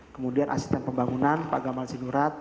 kemudian asisten pembangunan pak gamal sinurat